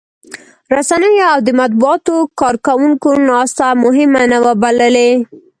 رسنيو او د مطبوعاتو کارکوونکو ناسته مهمه نه وه بللې.